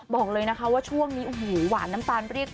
บอกเลยว่าช่วงนี้โอ๊ะฮูหวานน้ำตาลเปรี้ยก